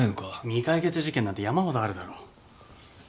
未解決事件なんて山ほどあるだろ。